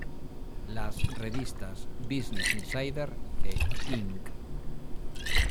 Las revistas "Business Insider" e "Inc.